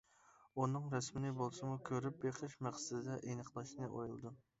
ئۇنىڭ رەسىمىنى بولسىمۇ كۆرۈپ بېقىش مەقسىتىدە ئېنىقلاشنى ئويلىدىم.